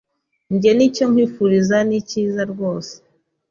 njye nicyo nkwifuriza nicyiza rwose